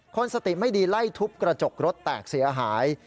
คนสติไม่ดีไล่ทุบกระจกรถแตกเสียหาย